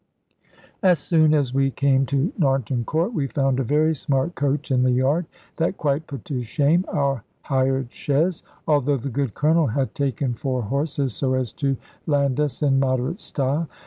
As soon as we came to Narnton Court, we found a very smart coach in the yard, that quite put to shame our hired chaise, although the good Colonel had taken four horses, so as to land us in moderate style.